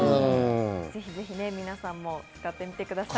皆さんも使ってみてください。